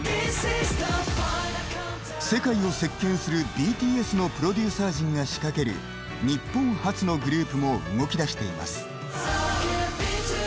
世界を席けんするＢＴＳのプロデューサー陣が仕掛ける日本発のグループも動きだしています。